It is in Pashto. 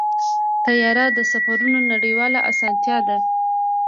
طیاره د سفرونو نړیواله اسانتیا ده.